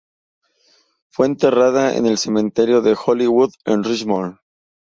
Fue enterrada en el Cementerio de Hollywood en Richmond.